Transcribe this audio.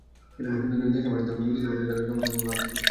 শুধু দেশের মাটিতে নয়, বিদেশের মাটিতেও তারা যত্নবান থাকবেন বলে আশা করি।